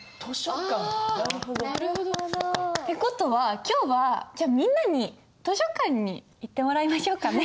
あなるほどなあ。って事は今日はみんなに図書館に行ってもらいましょうかね。